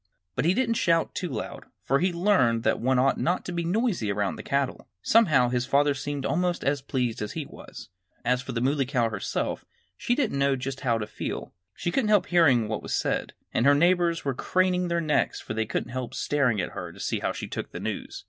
But he didn't shout too loud, for he had learned that one ought not to be noisy around the cattle. Somehow his father seemed almost as pleased as he was. As for the Muley Cow herself, she didn't know just how to feel. She couldn't help hearing what was said. And her neighbors were craning their necks, for they couldn't help staring at her to see how she took the news.